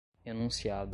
enunciado